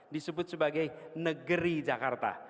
disebut sebagai negeri jakarta